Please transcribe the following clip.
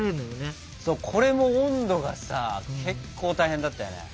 これも温度がさ結構大変だったよね。